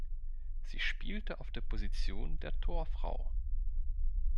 Sie spielte auf der Position der Torfrau.